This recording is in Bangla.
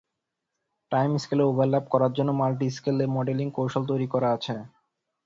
টাইম স্কেলের ওভারল্যাপ করার জন্য মাল্টিস্কেল মডেলিং কৌশলও তৈরি করা হয়েছে।